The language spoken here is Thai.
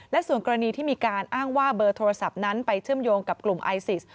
และส่วนกรณีที่มีการอ้างว่าเบอร์โทรศัพท์นั้นไปเชื่อมโยงกับกลุ่มไอซิส